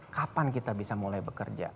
kapan kita bisa mulai bekerja